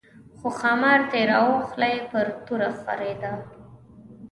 خو ښامار تېراوه خوله یې پر توره خرېده.